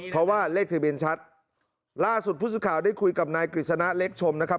เพราะว่าเลขทะเบียนชัดล่าสุดผู้สื่อข่าวได้คุยกับนายกฤษณะเล็กชมนะครับ